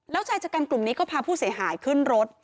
แล้วชายชะกันกลุ่มนี้ก็พาผู้เสียหายขึ้นรถ